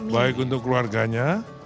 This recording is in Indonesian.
baik untuk keluarganya